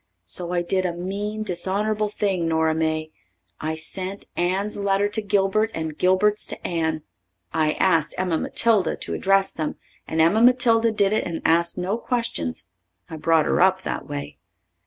So I did a mean, dishonourable thing, Nora May. I sent Anne's letter to Gilbert and Gilbert's to Anne. I asked Emma Matilda to address them, and Emma Matilda did it and asked no questions. I brought her up that way.